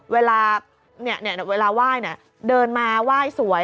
เวลาไหว้เดินมาไหว้สวย